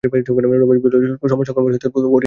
রমেশ বুঝিল, সমস্যা ক্রমশ প্রতিদিনই কঠিন হইয়া আসিতেছে।